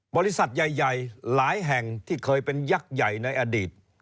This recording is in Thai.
บริษัทใหญ่หลายแห่งที่เคยเป็นยักษ์ใหญ่ในอดีต